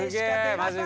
マジで。